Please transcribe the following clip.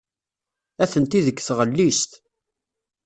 Atenti deg tɣellist.